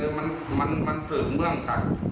คือมันสื่อเมื่องกัน